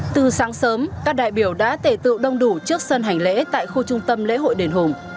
từ sáng sớm các đại biểu đã tể tựu đông đủ trước sân hành lễ tại khu trung tâm lễ hội đền hùng